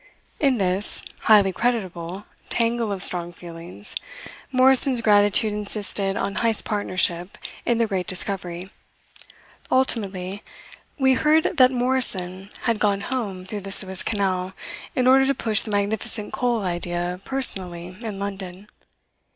In this (highly creditable) tangle of strong feelings Morrison's gratitude insisted on Heyst's partnership in the great discovery. Ultimately we heard that Morrison had gone home through the Suez Canal in order to push the magnificent coal idea personally in London.